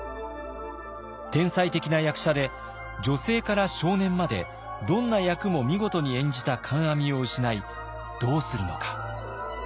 天才的な役者で女性から少年までどんな役も見事に演じた観阿弥を失いどうするのか。